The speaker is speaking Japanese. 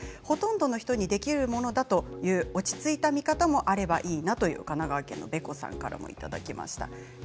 ほとんどの人にできるものだという落ち着いた見方もあればいいなと神奈川県の方からもいただきました。